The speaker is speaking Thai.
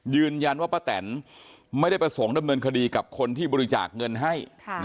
ยืนยันว่าป้าแตนไม่ได้ประสงค์ดำเนินคดีกับคนที่บริจาคเงินให้